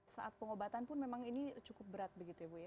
saat pengobatan pun memang ini cukup berat begitu ya bu ya